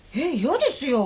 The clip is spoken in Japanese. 嫌ですよ